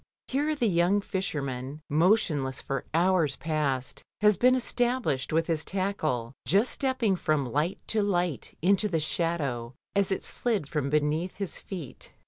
Here the young fisher man, motionless for hours past, had been established with his tackle, just stepping from light to light into the shadow as it slid from beneath his feet.